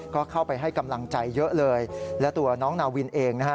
ก็เข้าไปให้กำลังใจเยอะเลยและตัวน้องนาวินเองนะฮะ